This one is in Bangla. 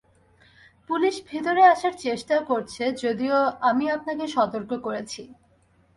পুলিশ ভেতরে আসার চেষ্টা করছে যদিও আমি আপনাকে সতর্ক করেছি।